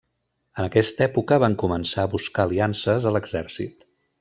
En aquesta època van començar a buscar aliances a l'exèrcit.